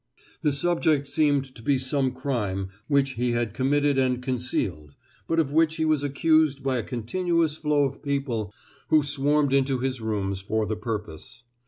The subject seemed to be some crime which he had committed and concealed, but of which he was accused by a continuous flow of people who swarmed into his rooms for the purpose.